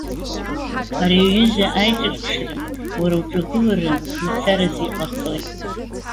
Ари аҩыза аиҿырԥшра, уара уҿагылара мацаразы иҟарҵоит.